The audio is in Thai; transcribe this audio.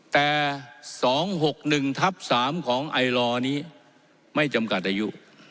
แต่๒๖๑ทับ๓ของไอลอร์นี้ไม่จำกัดอายุ